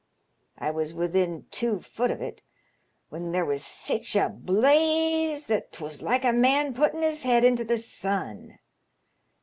I was within two foot of it, when there was sich a blaze that 'twas like a man putting his head into the sun.